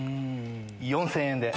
４０００円で。